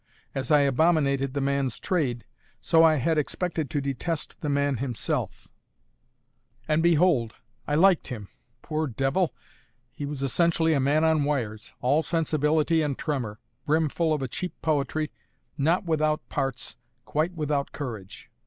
As I abominated the man's trade, so I had expected to detest the man himself; and behold, I liked him. Poor devil! he was essentially a man on wires, all sensibility and tremor, brimful of a cheap poetry, not without parts, quite without courage.